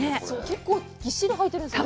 結構ぎっしり入ってるんですよね。